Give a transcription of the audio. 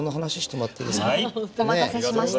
お待たせしました。